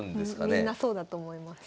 みんなそうだと思います。